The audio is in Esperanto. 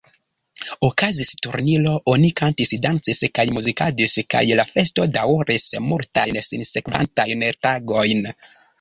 Okazis turniro, oni kantis, dancis kaj muzikadis kaj la festo dauris multajn sinsekvantajn tagojn.